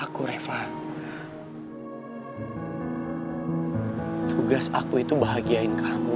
kamu gak perlu minta maaf